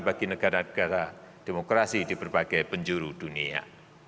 bagi negara negara demokrasi di berbagai penjuru dunia